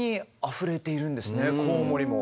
コウモリも。